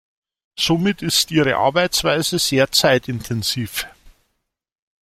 Somit ist ihre Arbeitsweise sehr zeitintensiv.